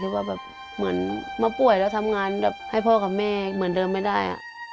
ว่าแบบเหมือนมาป่วยแล้วทำงานแบบให้พ่อกับแม่เหมือนเดิมไม่ได้